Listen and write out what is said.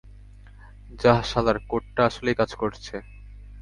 যাহ শালার, কোডটা আসলেই কাজ করেছে।